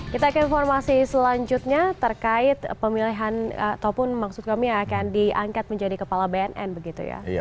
kita ke informasi selanjutnya terkait pemilihan ataupun maksud kami yang akan diangkat menjadi kepala bnn begitu ya